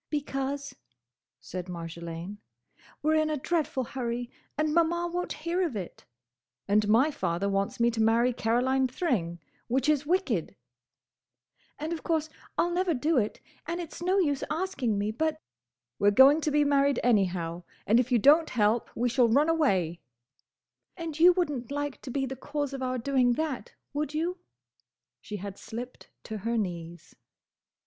"Because," said Marjolaine, "we 're in a dreadful hurry and Maman won't hear of it—" "And my father wants me to marry Caroline Thring, which is wicked—" "And of course I'll never do it, and it's no use asking me, but—" "We're going to be married anyhow, and if you don't help we shall run away—" "And you would n't like to be the cause of our doing that, would you?" She had slipped to her knees.